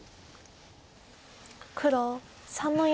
黒３の四。